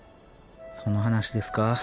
その話ですか。